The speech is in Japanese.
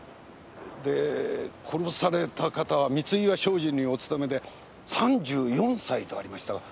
で殺された方は三岩商事にお勤めで３４歳とありましたがそうなんですか？